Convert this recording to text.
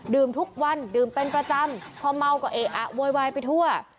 ทุกวันดื่มเป็นประจำพอเมาก็เอ๊ะอะโวยวายไปทั่ว